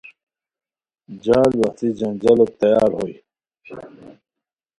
چال واہتی جنجالوت تیار ہوئے